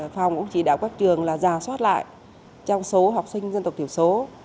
phòng cũng chỉ đạo các trường là giả soát lại trong số học sinh dân tộc thiểu số